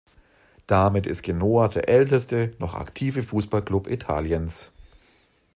Damit ist "Genoa" der älteste, noch aktive Fußballklub Italiens.